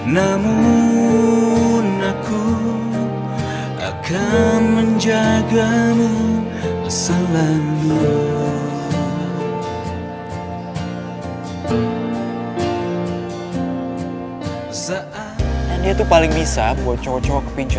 namun aku akan menjagamu selalu